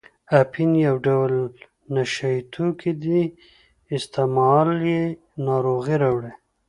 اپین یو ډول نشه یي توکي دي استعمال یې ناروغۍ راوړي.